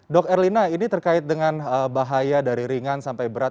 dok erlina ini terkait dengan bahaya dari ringan sampai berat